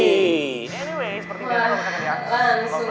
kalo mainin kan pasti udah nungguin ya